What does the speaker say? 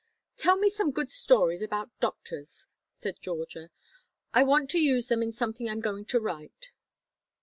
"Tell me some good stories about doctors," said Georgia; "I want to use them in something I'm going to write."